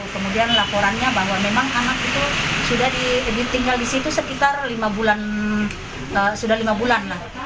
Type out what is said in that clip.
kemudian laporannya bahwa memang anak itu sudah ditinggal di situ sekitar sudah lima bulan lah